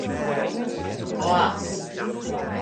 Co has?